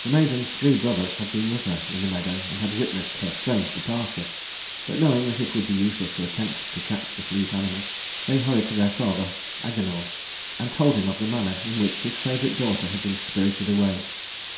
The maiden's three brothers had been with her in the meadow, and had witnessed her strange departure, but knowing that it would be useless to attempt to catch the fleet animal, they hurried to their father, Agenor, and told him of the manner in which his favorite daughter had been spirited away.